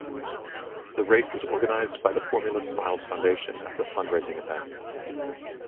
The race is organised by the Formula Smiles Foundation as a fundraising event.